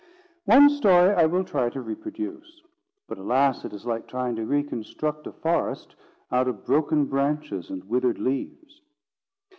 One story I will try to reproduce. But, alas! it is like trying to reconstruct a forest out of broken branches and withered leaves.